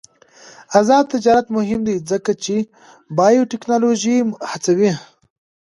آزاد تجارت مهم دی ځکه چې بایوټیکنالوژي هڅوي.